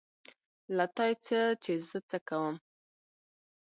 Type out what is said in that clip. تا له يې څه چې زه څه کوم.